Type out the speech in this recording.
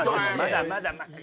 まだまだ。